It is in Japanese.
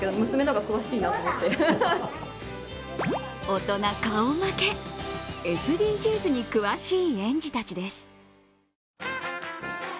大人顔負けＳＤＧｓに詳しい園児たちです。